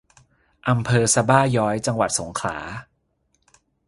อำเภอสะบ้าย้อย จังหวัดสงขลา